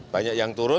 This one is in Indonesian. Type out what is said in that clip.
banyak yang turun